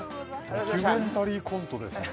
ドキュメンタリーコントですね